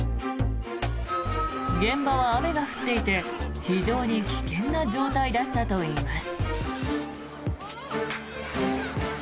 現場は雨が降っていて非常に危険な状態だったといいます。